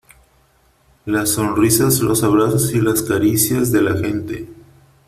las sonrisas , los abrazos y las caricias de la gente